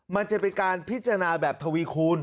มันจะเป็นการพิจารณาแบบทวีคูณ